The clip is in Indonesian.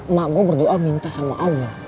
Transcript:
mak gue berdoa minta sama allah